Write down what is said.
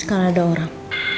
kalau ada orang